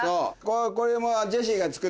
これも。